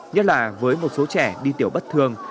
nhất là với một số trẻ đi tiểu bất thường